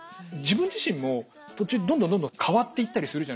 自分自身も途中どんどんどんどん変わっていったりするじゃないですか。